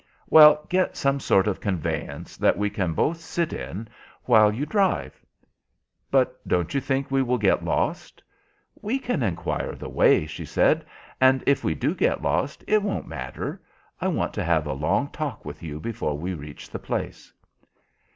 "Well, get some sort of conveyance that we can both sit in while you drive." "But don't you think we will get lost?" "We can inquire the way," she said, "and if we do get lost, it won't matter. I want to have a long talk with you before we reach the place."